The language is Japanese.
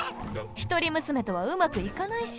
一人娘とはうまくいかないし。